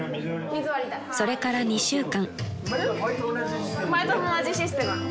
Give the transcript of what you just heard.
［それから２週間］